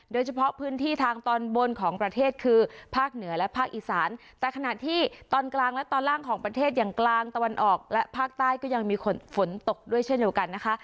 โดยเฉพาะพื้นที่ทางตอนบนของประเทศคือภาคเหนือและภาคอีสานแต่ขณะที่ตอนกลางและตอนล่างของประเทศอย่างกลางตะวันออกและภาคใต้ก็ยังมีฝนตกด้วยเช่นเดียวกันนะคะ